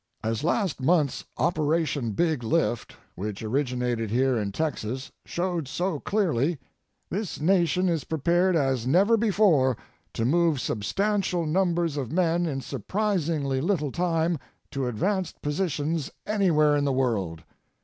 As last month's "Operation Big Lift" ŌĆō which originated here in Texas ŌĆō showed so clearly, this Nation is prepared as never before to move substantial numbers of men in surprisingly little time to advanced positions anywhere in the world.